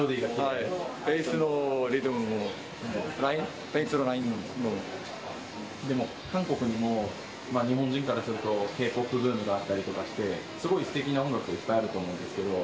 ベースのリズムも、ベースのでも韓国にも、日本人からすると、Ｋ−ＰＯＰブームがあったりして、すごいすてきな音楽がいっぱいあると思うんですけど。